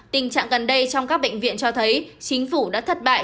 tình trạng gần đây trong các bệnh viện cho thấy chính phủ đã thất bại